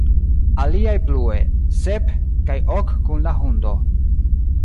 Aliaj plue: "Sep, kaj ok kun la hundo".